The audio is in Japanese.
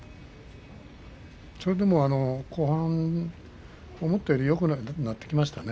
それでも後半、思ったよりよくなってきましたね。